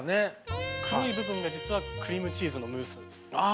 黒い部分が実はクリームチーズのムース。